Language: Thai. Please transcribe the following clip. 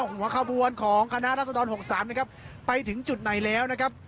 หัวขบวนของคณะรัศดร๖๓นะครับไปถึงจุดไหนแล้วนะครับ